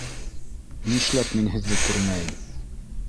Нишләп мин һеҙҙе күрмәйем?